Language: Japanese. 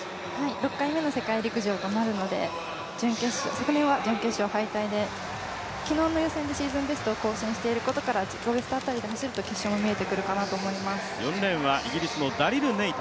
６回目の世界陸上となるので昨年は準決勝敗退で、昨日の予選でシーズンベストを更新していることから、自己ベストあたりをダスト４レーンはイギリスのダリル・ネイタ。